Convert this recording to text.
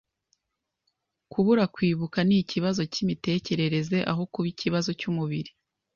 Kubura kwibuka ni ikibazo cyimitekerereze aho kuba ikibazo cyumubiri.